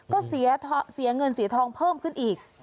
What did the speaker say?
ก็เสียเงินเสียทองเพิ่มขึ้นอีก